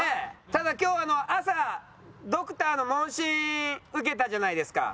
ただ今日朝ドクターの問診受けたじゃないですか。